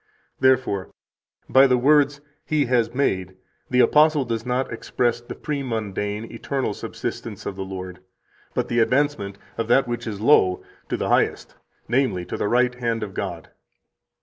Therefore, by the words He has made the apostle does not express the premundane [eternal] subsistence of the Lord, but the advancement of that which is low to the Highest, namely, to the right hand of God."